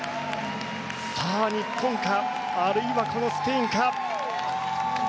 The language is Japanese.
日本かあるいはこのスペインか。